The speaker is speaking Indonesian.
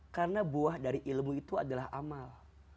karena buah dari ilmu itu adalah amal